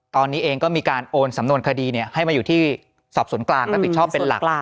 ตอนนี้เองก็มีการโอนสำนวนคดีให้มาอยู่ที่สอบสวนกลางรับผิดชอบเป็นหลัก